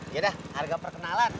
yaudah harga perkenalan